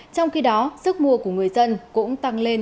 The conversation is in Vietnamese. trong khi đó sức mua của người dân cũng tăng lên